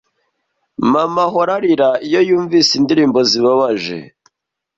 Mama ahora arira iyo yumvise indirimbo zibabaje.